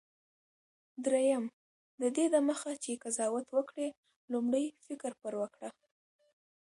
دریم: ددې دمخه چي قضاوت وکړې، لومړی فکر پر وکړه.